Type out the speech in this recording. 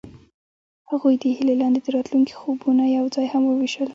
هغوی د هیلې لاندې د راتلونکي خوبونه یوځای هم وویشل.